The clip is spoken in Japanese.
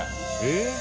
えっ？